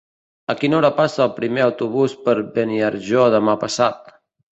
A quina hora passa el primer autobús per Beniarjó demà passat?